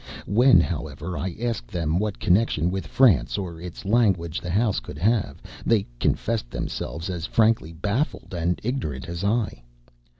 When, however, I asked them what connection with France or its language the house could have, they confessed themselves as frankly baffled and ignorant as I.